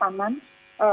ya semua aspek